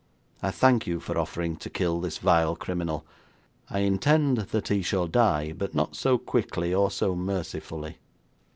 I thank you for offering to kill this vile criminal. I intend that he shall die, but not so quickly or so mercifully.'